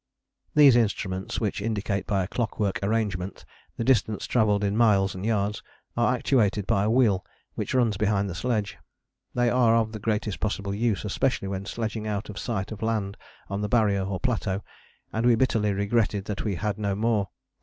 These instruments, which indicate by a clockwork arrangement the distance travelled in miles and yards, are actuated by a wheel which runs behind the sledge. They are of the greatest possible use, especially when sledging out of sight of land on the Barrier or Plateau, and we bitterly regretted that we had no more.